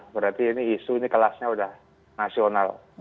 berarti ini isu ini kelasnya udah nasional